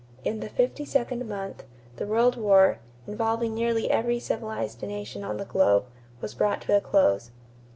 In the fifty second month, the World War, involving nearly every civilized nation on the globe, was brought to a close.